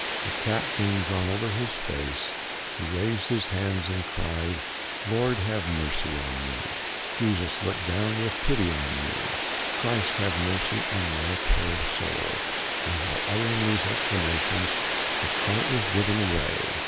The cap being drawn over his face, he raised his hands, and cried, "Lord have mercy on me, Jesus look down with pity on me, Christ have mercy on my poor soul;" and while uttering these exclamations, the cart was driven away.